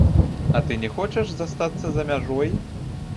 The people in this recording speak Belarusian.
А ты не хочаш застацца за мяжой?